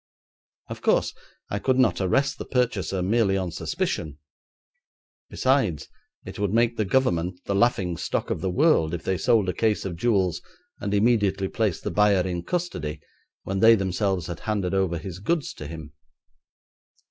Of course I could not arrest the purchaser merely on suspicion; besides, it would make the Government the laughing stock of the world if they sold a case of jewels and immediately placed the buyer in custody when they themselves had handed over his goods to him.